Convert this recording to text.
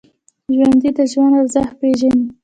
ژوندي د ژوند ارزښت پېژني